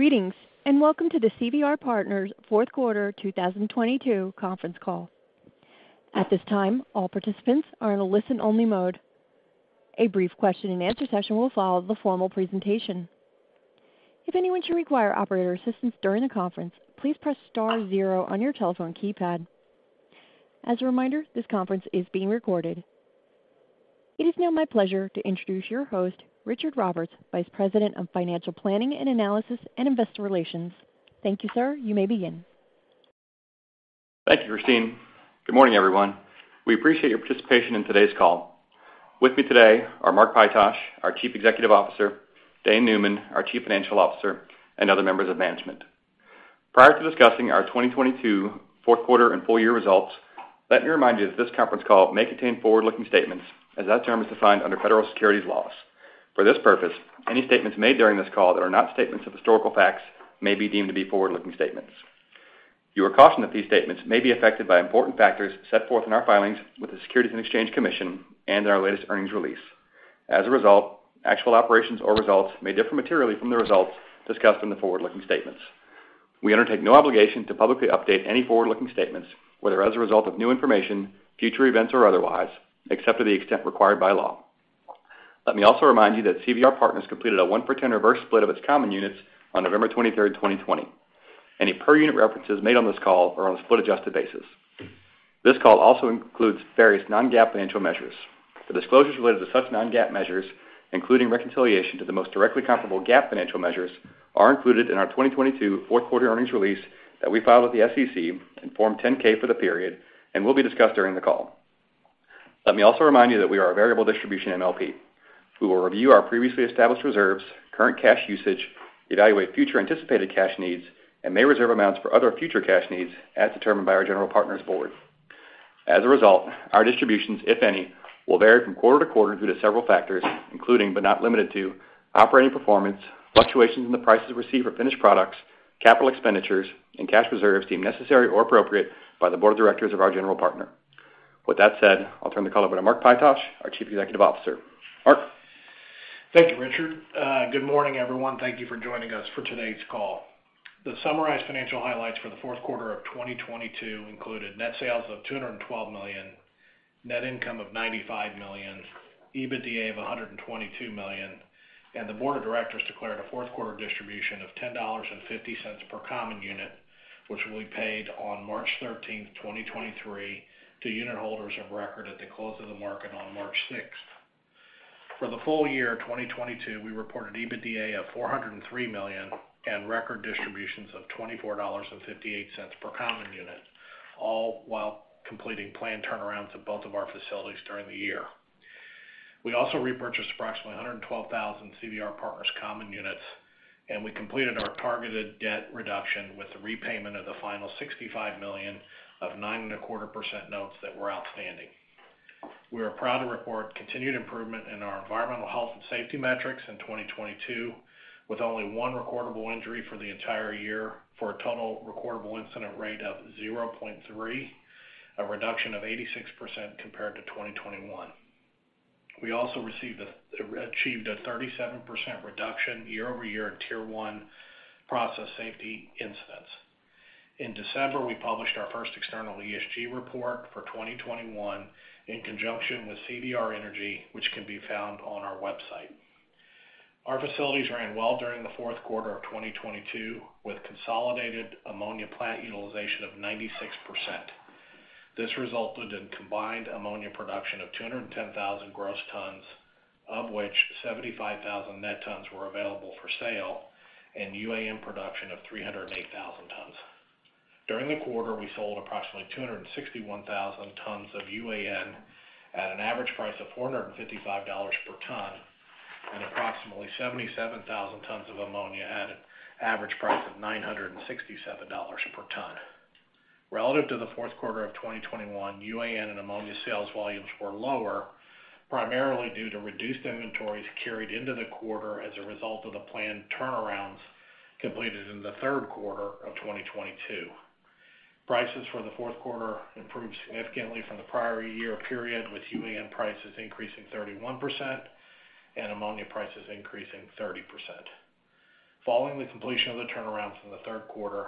Greetings, and welcome to the CVR Partners Q4 2022 conference call. At this time, all participants are in a listen-only mode. A brief question-and-answer session will follow the formal presentation. If anyone should require operator assistance during the conference, please press star zero on your telephone keypad. As a reminder, this conference is being recorded. It is now my pleasure to introduce your host, Richard Roberts, Vice President of Financial Planning and Analysis and Investor Relations. Thank you, sir. You may begin. Thank you, Christine. Good morning, everyone. We appreciate your participation in today's call. With me today are Mark Pytosh, our Chief Executive Officer, Dane Neumann, our Chief Financial Officer, and other members of management. Prior to discussing our 2022 Q4 and full year results, let me remind you that this conference call may contain forward-looking statements as that term is defined under federal securities laws. For this purpose, any statements made during this call that are not statements of historical facts may be deemed to be forward-looking statements. You are cautioned that these statements may be affected by important factors set forth in our filings with the Securities and Exchange Commission and in our latest earnings release. As a result, actual operations or results may differ materially from the results discussed in the forward-looking statements. We undertake no obligation to publicly update any forward-looking statements, whether as a result of new information, future events or otherwise, except to the extent required by law. Let me also remind you that CVR Partners completed a 1-for-10 reverse split of its common units on November 23, 2020. Any per unit references made on this call are on a split-adjusted basis. This call also includes various non-GAAP financial measures. The disclosures related to such non-GAAP measures, including reconciliation to the most directly comparable GAAP financial measures, are included in our 2022 4th quarter earnings release that we filed with the SEC in Form 10-K for the period and will be discussed during the call. Let me also remind you that we are a variable distribution MLP. We will review our previously established reserves, current cash usage, evaluate future anticipated cash needs, and may reserve amounts for other future cash needs as determined by our general partner's board. As a result, our distributions, if any, will vary from quarter - quarter due to several factors, including but not limited to operating performance, fluctuations in the prices received for finished products, capital expenditures, and cash reserves deemed necessary or appropriate by the board of directors of our general partner. With that said, I'll turn the call over to Mark Pytosh, our Chief Executive Officer. Mark? Thank you, Richard. Good morning, everyone. Thank you for joining us for today's call. The summarized financial highlights for the Q4 of 2022 included net sales of $212 million, net income of $95 million, EBITDA of $122 million. The board of directors declared a Q4 distribution of $10.50 per common unit, which will be paid on March 13, 2023 to unit holders of record at the close of the market on March 6. For the full year 2022, we reported EBITDA of $403 million and record distributions of $24.58 per common unit, all while completing planned turnarounds at both of our facilities during the year. We also repurchased approximately 112,000 CVR Partners common units. We completed our targeted debt reduction with the repayment of the final $65 million of 9.25% Notes that were outstanding. We are proud to report continued improvement in our environmental health and safety metrics in 2022, with only one recordable injury for the entire year for a total recordable incident rate of 0.3, a reduction of 86% compared to 2021. We also achieved a 37% reduction year-over-year in Tier one process safety incidents. In December, we published our first external ESG report for 2021 in conjunction with CVR Energy, which can be found on our website. Our facilities ran well during the Q4 of 2022, with consolidated ammonia plant utilization of 96%. This resulted in combined ammonia production of 210,000 gross tons, of which 75,000 net tons were available for sale and UAN production of 308,000 tons. During the quarter, we sold approximately 261,000 tons of UAN at an average price of $455 per ton and approximately 77,000 tons of ammonia at an average price of $967 per ton. Relative to the Q4 of 2021, UAN and ammonia sales volumes were lower, primarily due to reduced inventories carried into the quarter as a result of the planned turnarounds completed in the Q3 of 2022. Prices for the Q4 improved significantly from the prior year period, with UAN prices increasing 31% and ammonia prices increasing 30%. Following the completion of the turnarounds in the Q3,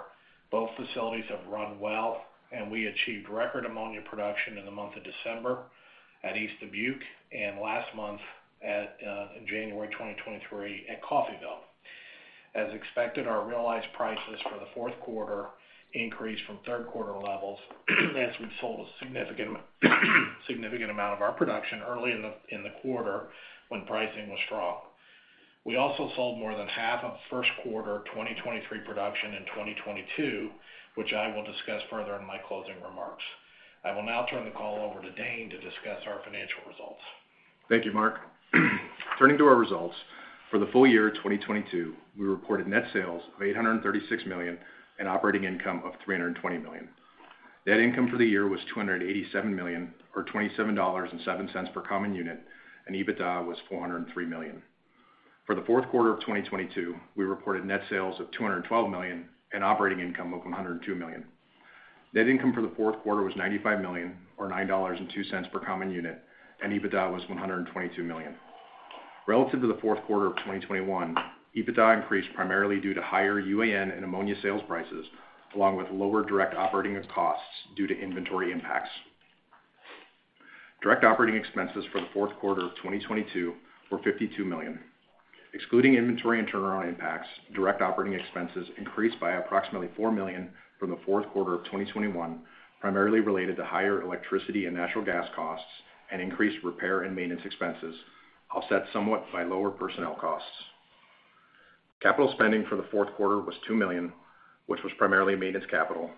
both facilities have run well, and we achieved record ammonia production in the month of December at East Dubuque and last month in January 2023 at Coffeyville. As expected, our realized prices for the Q4 increased from Q3 levels as we sold a significant amount of our production early in the quarter when pricing was strong. We also sold more than half of Q1 2023 production in 2022, which I will discuss further in my closing remarks. I will now turn the call over to Dane to discuss our financial results. Thank you, Mark. Turning to our results, for the full year 2022, we reported net sales of $836 million and operating income of $320 million. Net income for the year was $287 million or $27.07 per common unit, and EBITDA was $403 million. For the Q4 of 2022, we reported net sales of $212 million and operating income of $102 million. Net income for the Q4 was $95 million or $9.02 per common unit. EBITDA was $122 million. Relative to the Q4 of 2021, EBITDA increased primarily due to higher UAN and ammonia sales prices, along with lower direct operating costs due to inventory impacts. Direct operating expenses for the Q4 of 2022 were $52 million. Excluding inventory and turnaround impacts, direct operating expenses increased by approximately $4 million from the Q4 of 2021, primarily related to higher electricity and natural gas costs and increased repair and maintenance expenses, offset somewhat by lower personnel costs. Capital spending for the Q4 was $2 million, which was primarily maintenance capital.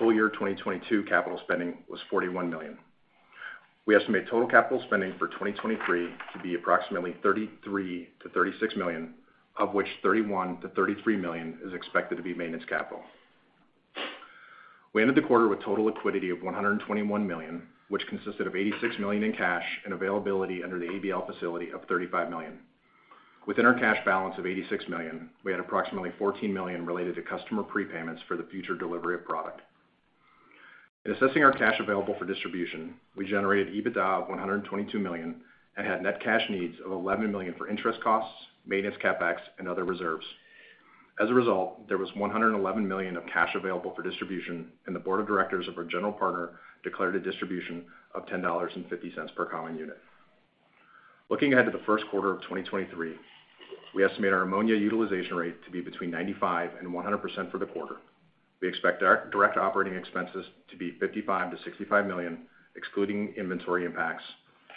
Full year 2022 capital spending was $41 million. We estimate total capital spending for 2023 to be approximately $33 million-$36 million, of which $31 million-$33 million is expected to be maintenance capital. We ended the quarter with total liquidity of $121 million, which consisted of $86 million in cash and availability under the ABL facility of $35 million. Within our cash balance of $86 million, we had approximately $14 million related to customer prepayments for the future delivery of product. In assessing our cash available for distribution, we generated EBITDA of $122 million and had net cash needs of $11 million for interest costs, maintenance, CapEx and other reserves. As a result, there was $111 million of cash available for distribution, and the board of directors of our general partner declared a distribution of $10.50 per common unit. Looking ahead to the Q1 of 2023, we estimate our ammonia utilization rate to be between 95% and 100% for the quarter. We expect our direct operating expenses to be $55 million-$65 million, excluding inventory impacts,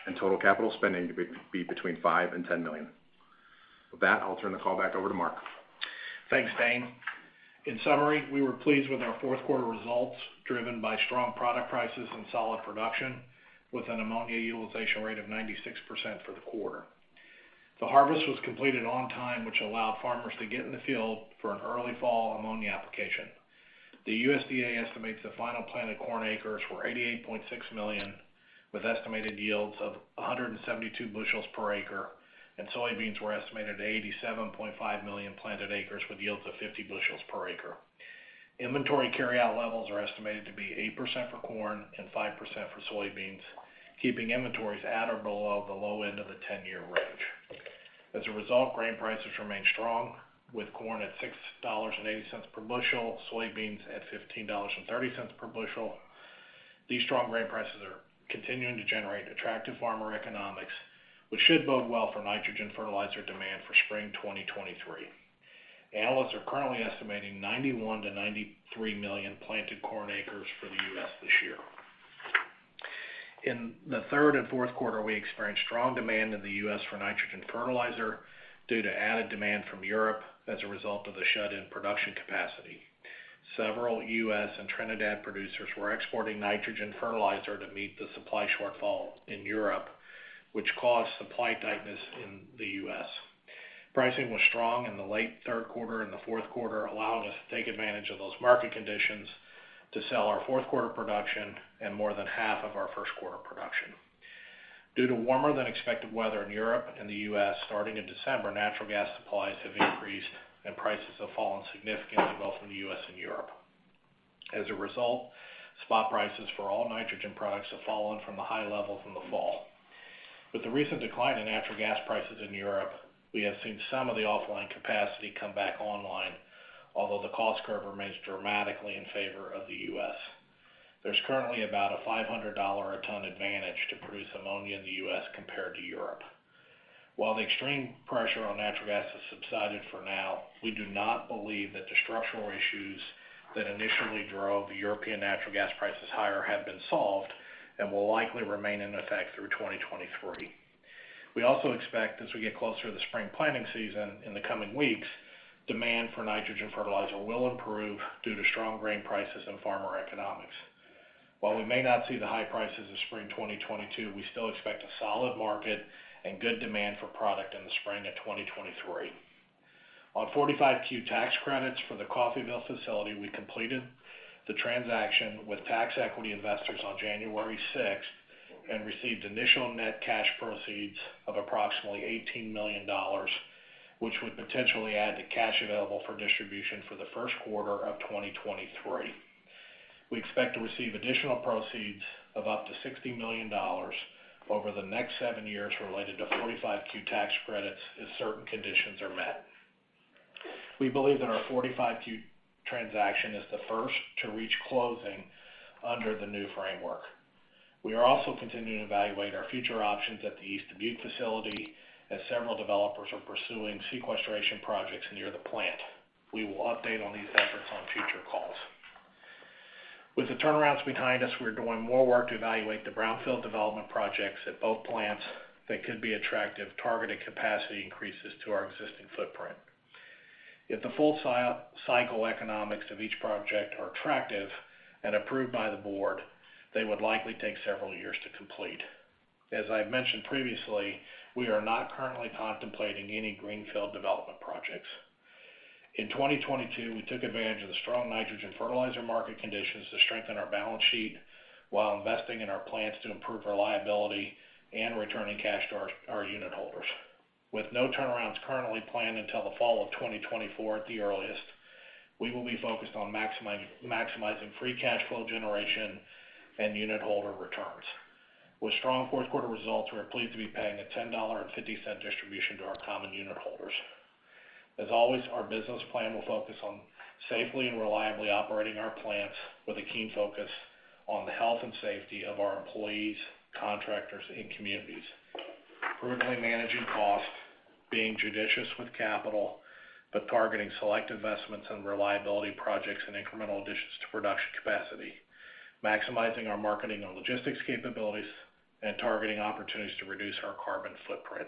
and total capital spending to be between $5 million and $10 million. With that, I'll turn the call back over to Mark. Thanks, Dane. In summary, we were pleased with our Q4 results, driven by strong product prices and solid production with an ammonia utilization rate of 96% for the quarter. The harvest was completed on time, which allowed farmers to get in the field for an early fall ammonia application. The USDA estimates the final planted corn acres were 88.6 million, with estimated yields of 172 bushels per acre, and soybeans were estimated at 87.5 million planted acres with yields of 50 bushels per acre. Inventory carryout levels are estimated to be 8% for corn and 5% for soybeans, keeping inventories at or below the low end of the 10-year range. As a result, grain prices remain strong, with corn at $6.80 per bushel, soybeans at $15.30 per bushel. These strong grain prices are continuing to generate attractive farmer economics, which should bode well for nitrogen fertilizer demand for spring 2023. Analysts are currently estimating 91-93 million planted corn acres for the US this year. In the third and Q4, we experienced strong demand in the US for nitrogen fertilizer due to added demand from Europe as a result of the shut-in production capacity. Several US and Trinidad producers were exporting nitrogen fertilizer to meet the supply shortfall in Europe, which caused supply tightness in the US. Pricing was strong in the late Q3, and the Q4 allowed us to take advantage of those market conditions to sell our Q4 production and more than half of our Q1 production. Due to warmer than expected weather in Europe and the US starting in December, natural gas supplies have increased and prices have fallen significantly both in the US and Europe. As a result, spot prices for all nitrogen products have fallen from the high levels in the fall. With the recent decline in natural gas prices in Europe, we have seen some of the offline capacity come back online. Although the cost curve remains dramatically in favor of the US, there's currently about a $500 a ton advantage to produce ammonia in the US compared to Europe. While the extreme pressure on natural gas has subsided for now, we do not believe that the structural issues that initially drove the European natural gas prices higher have been solved and will likely remain in effect through 2023. We also expect as we get closer to the spring planting season in the coming weeks, demand for nitrogen fertilizer will improve due to strong grain prices and farmer economics. While we may not see the high prices of spring 2022, we still expect a solid market and good demand for product in the spring of 2023. On Section 45Q tax credits for the Coffeyville facility, we completed the transaction with tax equity investors on January sixth and received initial net cash proceeds of approximately $18 million, which would potentially add to cash available for distribution for the Q1 of 2023. We expect to receive additional proceeds of up to $60 million over the next seven years related to Section 45Q tax credits if certain conditions are met. We believe that our Section 45Q transaction is the first to reach closing under the new framework. We are also continuing to evaluate our future options at the East Dubuque facility as several developers are pursuing sequestration projects near the plant. We will update on these efforts on future calls. With the turnarounds behind us, we're doing more work to evaluate the brownfield development projects at both plants that could be attractive targeted capacity increases to our existing footprint. If the full cycle economics of each project are attractive and approved by the board, they would likely take several years to complete. As I've mentioned previously, we are not currently contemplating any greenfield development projects. In 2022, we took advantage of the strong nitrogen fertilizer market conditions to strengthen our balance sheet while investing in our plants to improve reliability and returning cash to our unit holders. With no turnarounds currently planned until the fall of 2024 at the earliest, we will be focused on maximizing free cash flow generation and unit holder returns. With strong Q4 results, we are pleased to be paying a $10.50 distribution to our common unit holders. As always, our business plan will focus on safely and reliably operating our plants with a keen focus on the health and safety of our employees, contractors, and communities. Prudently managing costs, being judicious with capital, but targeting select investments and reliability projects and incremental additions to production capacity. Maximizing our marketing and logistics capabilities, and targeting opportunities to reduce our carbon footprint.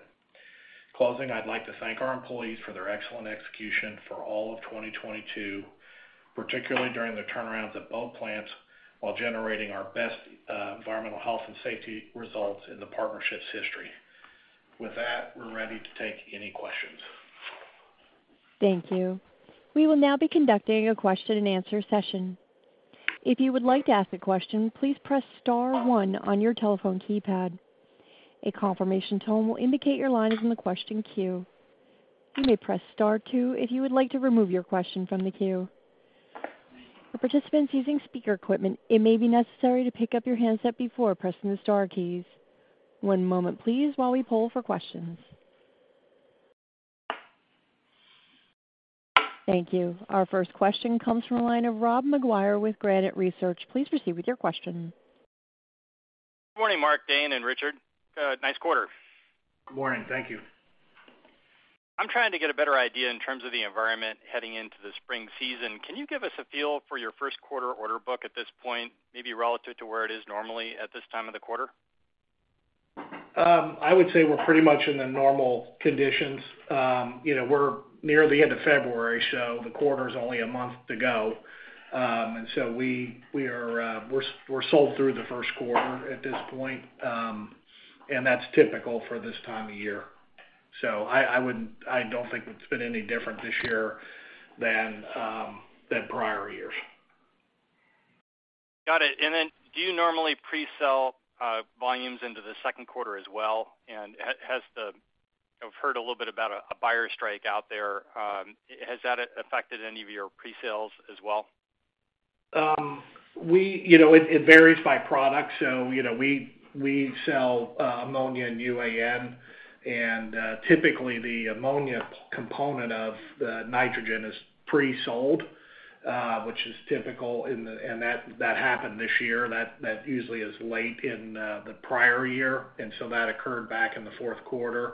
Closing, I'd like to thank our employees for their excellent execution for all of 2022, particularly during the turnarounds at both plants while generating our best environmental health and safety results in the partnership's history. With that, we're ready to take any questions. Thank you. We will now be conducting a question-and-answer session. If you would like to ask a question, please press star one on your telephone keypad. A confirmation tone will indicate your line is in the question queue. You may press star two if you would like to remove your question from the queue. For participants using speaker equipment, it may be necessary to pick up your handset before pressing the star keys. One moment please while we poll for questions. Thank you. Our first question comes from the line of Robert McGuire with Granite Research. Please proceed with your question. Good morning, Mark, Dane, and Richard. nice quarter. Good morning. Thank you. I'm trying to get a better idea in terms of the environment heading into the spring season. Can you give us a feel for your Q1 order book at this point, maybe relative to where it is normally at this time of the quarter? I would say we're pretty much in the normal conditions. You know, we're near the end of February, so the quarter's only a month to go. We are sold through the Q1 at this point, and that's typical for this time of year. I don't think it's been any different this year than prior years. Got it. Do you normally pre-sell volumes into the H2 as well? I've heard a little bit about a buyer strike out there. Has that affected any of your pre-sales as well? You know, it varies by product. You know, we sell ammonia and UAN, and typically the ammonia component of the nitrogen is pre-sold, which is typical. That happened this year. That usually is late in the prior year, that occurred back in the Q4.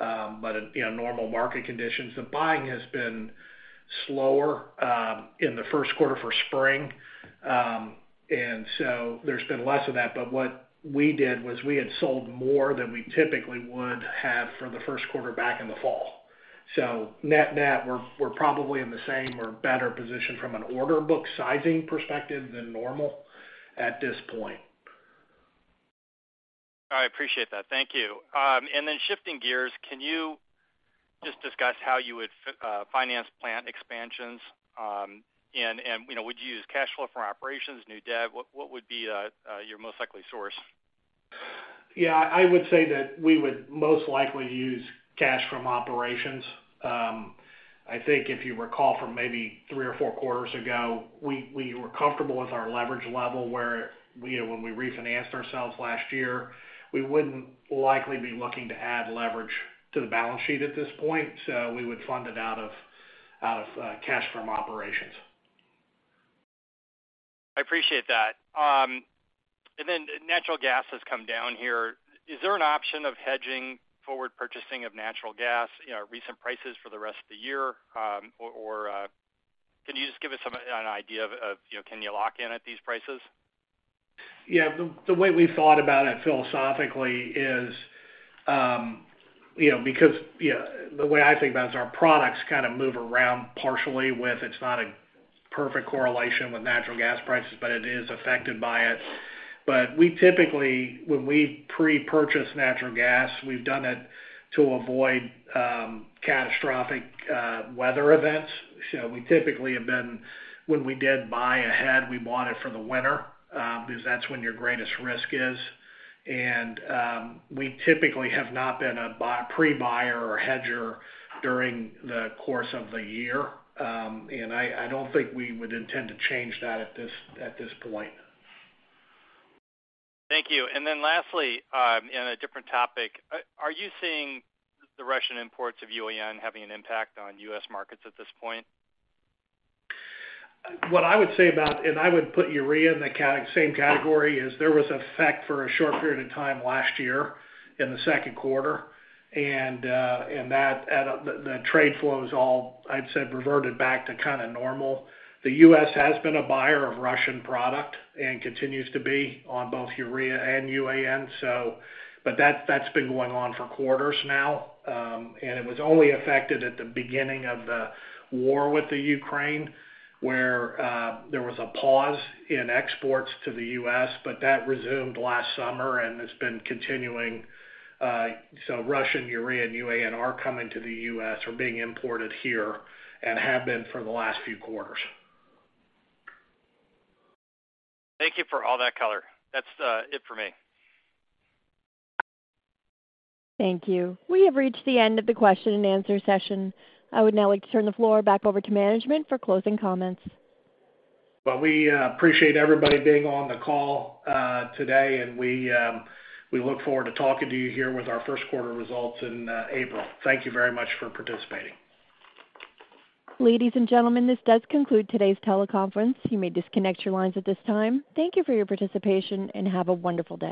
In, you know, normal market conditions, the buying has been slower in the Q1 for spring. There's been less of that. What we did was we had sold more than we typically would have for the Q1 back in the fall. Net-net, we're probably in the same or better position from an order book sizing perspective than normal at this point. I appreciate that. Thank you. Then shifting gears, can you just discuss how you would finance plant expansions? You know, would you use cash flow from operations, new debt? What would be your most likely source? Yeah. I would say that we would most likely use cash from operations. I think if you recall from maybe three or four quarters ago, we were comfortable with our leverage level where, you know, when we refinanced ourselves last year, we wouldn't likely be looking to add leverage to the balance sheet at this point. We would fund it out of cash from operations. I appreciate that. Natural gas has come down here. Is there an option of hedging forward purchasing of natural gas, you know, recent prices for the rest of the year? Can you just give us an idea of, you know, can you lock in at these prices? Yeah. The way we've thought about it philosophically is, you know, because, you know, the way I think about it's our products kinda move around partially with it's not a perfect correlation with natural gas prices, but it is affected by it. We typically, when we prepurchase natural gas, we've done it to avoid, catastrophic, weather events. We typically have been, when we did buy ahead, we want it for the winter, because that's when your greatest risk is. We typically have not been a pre-buyer or hedger during the course of the year. I don't think we would intend to change that at this point. Thank you. Then lastly, in a different topic, are you seeing the Russian imports of UAN having an impact on US markets at this point? What I would say about, I would put urea in the same category, is there was effect for a short period of time last year in the H2, and that, at, the trade flows all, I'd say, reverted back to kinda normal. The US has been a buyer of Russian product and continues to be on both urea and UAN. That's, that's been going on for quarters now, and it was only affected at the beginning of the war with the Ukraine, where there was a pause in exports to the US, but that resumed last summer, and it's been continuing. Russian urea and UAN are coming to the US, are being imported here and have been for the last few quarters. Thank you for all that color. That's it for me. Thank you. We have reached the end of the question-and-answer session. I would now like to turn the floor back over to management for closing comments. Well, we appreciate everybody being on the call today, and we look forward to talking to you here with our Q1 results in April. Thank you very much for participating. Ladies and gentlemen, this does conclude today's teleconference. You may disconnect your lines at this time. Thank you for your participation, and have a wonderful day.